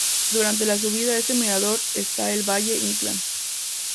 Durante la subida a este mirador está el de Valle-Inclán.